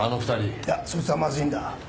いやそいつはまずいんだ。